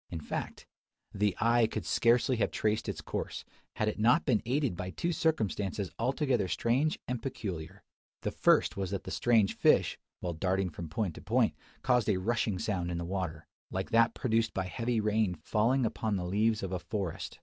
In fact, the eye could scarcely have traced its course, had it not been aided by two circumstances altogether strange and peculiar. The first was that the strange fish, while darting from point to point, caused a rushing sound in the water; like that produced by heavy rain falling upon the leaves of a forest.